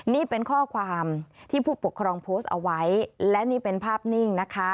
นี่เป็นข้อความที่ผู้ปกครองโพสต์เอาไว้และนี่เป็นภาพนิ่งนะคะ